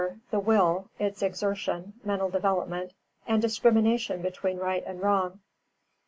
The will, its exertion, mental development, and discrimination between right and wrong.